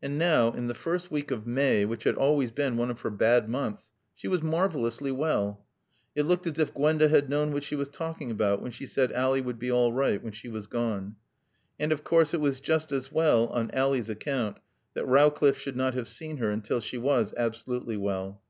And now, in the first week of May, which had always been one of her bad months, she was marvelously well. It looked as if Gwenda had known what she was talking about when she said Ally would be all right when she was gone. And of course it was just as well (on Ally's account) that Rowcliffe should not have seen her until she was absolutely well.